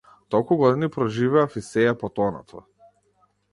Толку години проживеав, и сѐ е потонато.